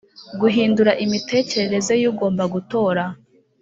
guhindura imitekerereze y ugomba gutora